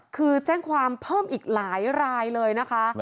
คือแจ้งความเพิ่มอีกหลายรายเลยนะคะ